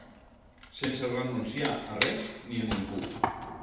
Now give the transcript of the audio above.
Sense renunciar a res ni a ningú.